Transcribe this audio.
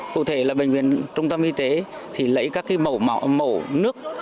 cụ thể là bệnh viện trung tâm y tế thì lấy các cái mẫu nước